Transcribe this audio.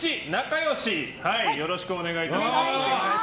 よろしくお願いします。